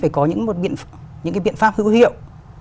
phải có những cái biện pháp hữu hiệu